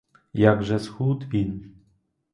Як же схуд він!